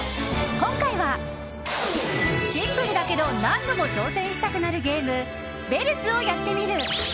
今回は、シンプルだけど何度も挑戦したくなるゲームＢＥＬＬＺ！をやってみる。